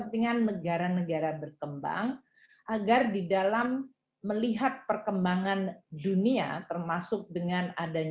di sini akan dibahas berbagai proses